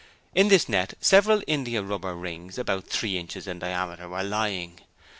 In this net several india rubber rings about three inches in diameter were lying.